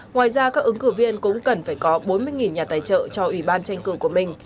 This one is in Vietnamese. ngoài ra các ứng cử viên cũng cần phải có bốn mươi nhà tài trợ cho ủy ban tranh cử của mình